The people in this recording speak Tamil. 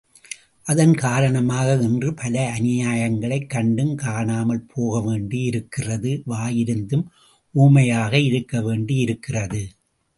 அதன் காரணமாக இன்று பல அநியாயங்களைக் கண்டும் காணாமல் போகவேண்டியிருக்கிறது வாயிருந்தும் ஊமையாக இருக்க வேண்டியிருக்கிறது.